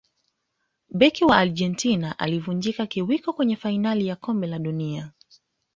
beki wa argentina alivunjika kiwiko kwenye fainali ya kombe la dunia